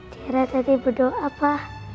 tiara tadi berdoa pa